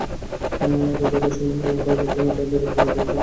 অবাধ্যতা ও সীমালংঘন করবার জন্যই তাদের এই পরিণতি হয়েছিল।